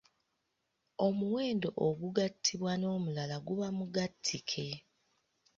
Omuwendo ogugattibwa n'omulala guba mugattike.